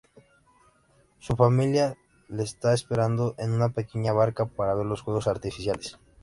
Su familia le está esperando en una pequeña barca para ver los fuegos artificiales.